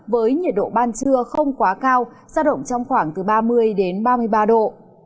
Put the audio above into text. với nhiệt độ ban trưa không quá cao ra động trong khoảng từ ba mươi ba mươi ba độ